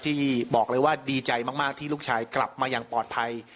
ที่บอกเลยว่าดีใจมากที่ลูกชายกลับมาอย่างปลอดภัย